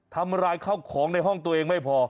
ทำร้ายข้าวของในห้องตัวเองไม่พอ